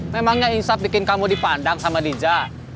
memangnya isap bikin kamu dipandang sama dija